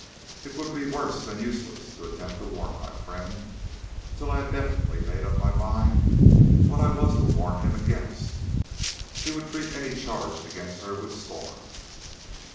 It would be worse than useless to attempt to warn my friend until I had definitely made up my mind what I was to warn him against. He would treat any charge against her with scorn.